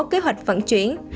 kế hoạch vận chuyển